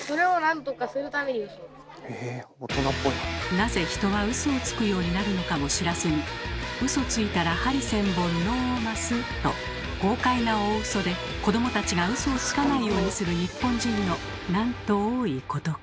なぜ人はウソをつくようになるのかも知らずに「ウソついたら針千本のます！」と豪快な大ウソで子どもたちがウソをつかないようにする日本人のなんと多いことか。